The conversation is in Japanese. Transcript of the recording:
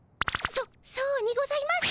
そそうにございます。